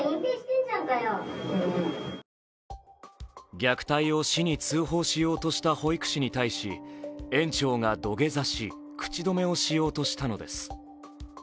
虐待を市に通報しようとした保育士に対し、園長が土下座し口止めをしようとしたのです。